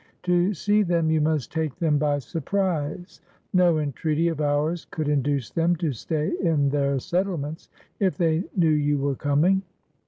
To see them you must take them by surprise. No entreaty of ours could induce them to stay in their settlements if they knew you were com ing.